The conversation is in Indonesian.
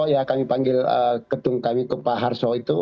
ya kami panggil ketum kami ke pak harso itu